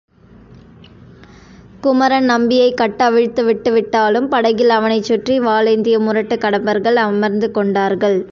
குமரன் நம்பியைக் கட்டவிழ்த்து விட்டு விட்டாலும் படகில் அவனைச் சுற்றி வாளேந்திய முரட்டுக் கடம்பர்கள் அமர்ந்து கொண்டார்கள்.